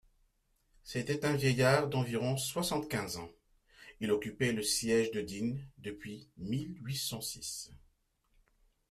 C'était un vieillard d'environ soixante-quinze ans, il occupait le siège de Digne depuis mille huit cent six.